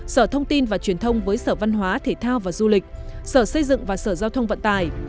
sở thông tin và truyền thông với sở văn hóa thể thao và du lịch sở xây dựng và sở giao thông vận tài